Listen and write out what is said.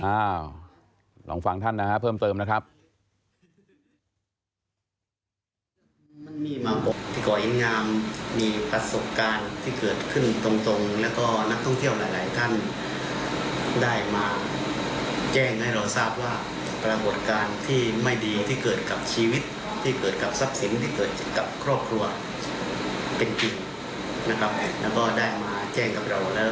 อ้าวลองฟังท่านนะฮะเพิ่มเติมนะครับ